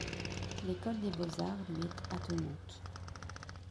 L'école des Beaux Arts lui est attenante.